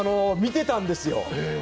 見てたんですよ。